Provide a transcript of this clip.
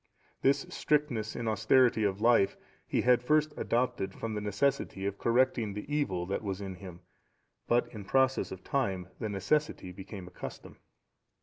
This strictness in austerity of life he had first adopted from the necessity of correcting the evil that was in him; but in process of time the necessity became a custom.